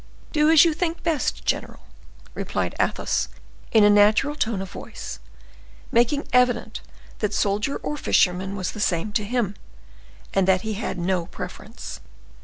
"Do as you think best, general," replied Athos, in a natural tone of voice, making evident that soldier or fisherman was the same to him, and that he had no preference.